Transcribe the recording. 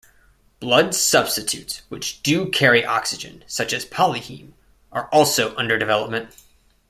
Blood substitutes which do carry oxygen, such as PolyHeme, are also under development.